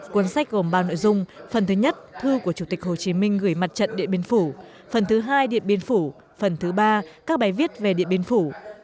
cuốn sách gồm bao nội dung phần thứ nhất thư của chủ tịch hồ chí minh gửi mặt trận điện biên phủ phần thứ hai điện biên phủ phần thứ ba các bài viết về điện biên phủ